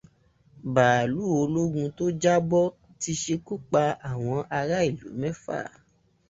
Báàlù ológun tó jábọ́ ti ṣekú pa àwọn ará ìlú mẹ́fà.